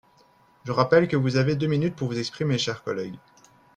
Je rappelle que vous avez deux minutes pour vous exprimer, cher collègue.